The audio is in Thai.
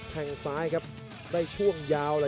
กันต่อแพทย์จินดอร์